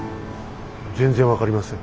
全然分かりません。